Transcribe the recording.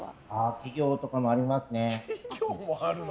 企業とかもありますね。